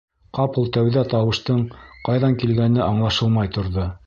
Ҡапыл тәүҙә тауыштың ҡайҙан килгәне аңлашылмай торҙо.